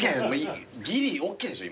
ギリＯＫでしょ